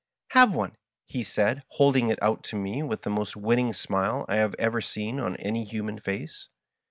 " Have one \" he said, holding it out to me with the most winning smile I have ever seen on any human face.